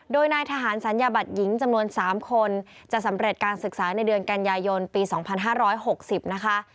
โดยนายทหารศัลยบัตรหญิงจำนวน๓คนจะสำเร็จการศึกษาในเดือนกันยายนปี๒๕๖๐นะคะ